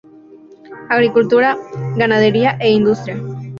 Agricultura, ganadería e industria.